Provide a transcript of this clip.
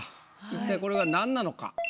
一体これがなんなのか。